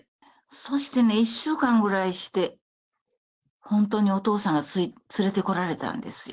そしてね、１週間ぐらいして、本当にお父さんが連れてこられたんですよ。